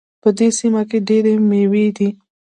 په دې سیمه کې ډېري میوې دي